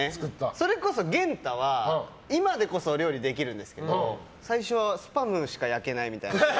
それこそ、元太は今でこそ料理できるんですけど最初はスパムしか焼けないみたいな。